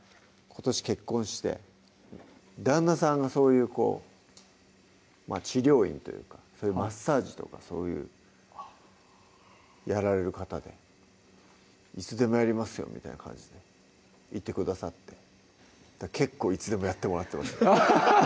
今年結婚して旦那さんがそういうこう治療院というかそういうマッサージとかそういうのやられる方でいつでもやりますよみたいな感じで言ってくださって結構いつでもやってもらってます